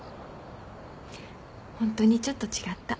ホントにちょっと違った。